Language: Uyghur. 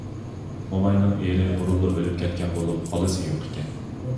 موماينىڭ ئېرى بۇرۇنلا ئۆلۈپ كەتكەن بولۇپ، بالىسى يوق ئىكەن.